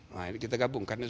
nah ini kita gabungkan